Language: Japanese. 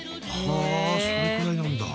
はあそれくらいなんだ。